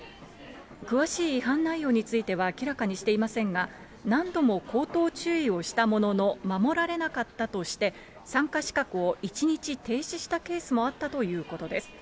詳しい違反内容については明らかにしていませんが、何度も口頭注意をしたものの、守られなかったとして、参加資格を１日停止したケースもあったということです。